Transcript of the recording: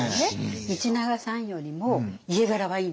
道長さんよりも家柄はいいんですよ。